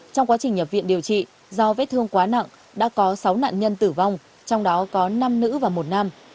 trong quá trình nhập viện điều trị do vết thương quá nặng đã có sáu nạn nhân tử vong trong đó có năm nữ và một nam